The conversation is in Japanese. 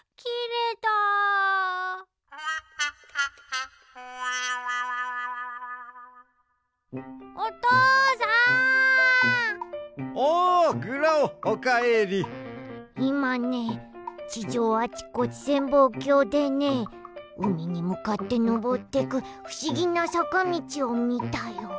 いまね地上あちこち潜望鏡でねうみにむかってのぼってくふしぎなさかみちをみたよ。